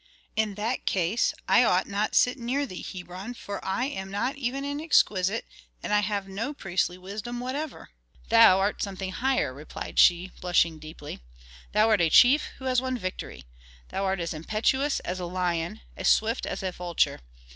"In that case I ought not to sit near thee, Hebron, for I am not even an exquisite, and I have no priestly wisdom whatever." "Thou art something higher," replied she, blushing deeply. "Thou art a chief who has won victory. Thou art as impetuous as a lion, as swift as a vulture.